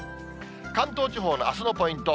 関東地方のあすのポイント。